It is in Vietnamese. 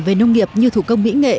về nông nghiệp như thủ công mỹ nghệ